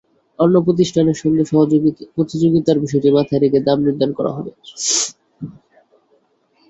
অন্য প্রতিষ্ঠানের সঙ্গে প্রতিযোগিতার বিষয়টি মাথায় রেখে দাম নির্ধারণ করা হবে।